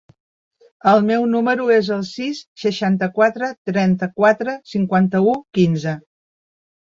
El meu número es el sis, seixanta-quatre, trenta-quatre, cinquanta-u, quinze.